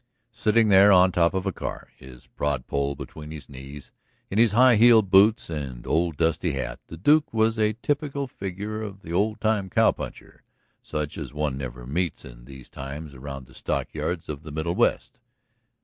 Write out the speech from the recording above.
Sitting there on top of a car, his prod pole between his knees, in his high heeled boots and old dusty hat, the Duke was a typical figure of the old time cow puncher such as one never meets in these times around the stockyards of the Middle West.